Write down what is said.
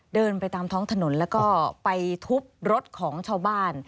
เดินไปตามท้องถนนแล้วก็ไปทุบรถของชาวบ้าน